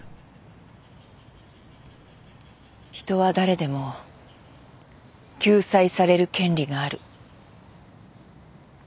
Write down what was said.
人は誰でも救済される権利がある。